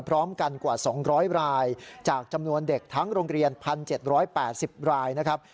พร้อมกันกว่า๒๐๐รายจากจำนวนเด็กทั้งโรงเรียน๑๗๘๐รายนะครับ